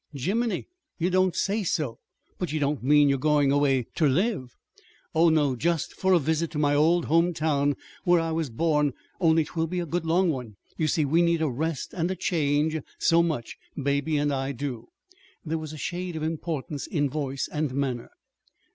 "Jiminy! You don't say so! But you don't mean you're goin' away ter live?" "Oh, no. Just for a visit to my old home town where I was born only 'twill be a good long one. You see, we need a rest and a change so much Baby and I do." There was a shade of importance in voice and manner.